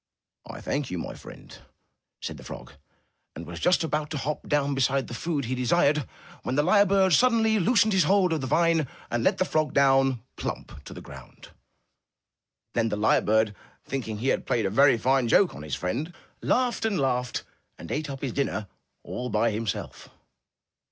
'1 thank you, my friend/' said the frog, and was just about to hop down beside the food he desired, when the lyre bird suddenly loosened his hold of the vine and let the frog down, plump! to the ground. Then the lyre bird, thinking he had played a very fine joke on his friend, laughed and laughed, and ate up his dinner all by himself.